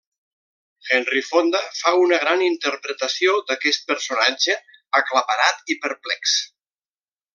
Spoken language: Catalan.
Henry Fonda fa una gran interpretació d'aquest personatge aclaparat i perplex.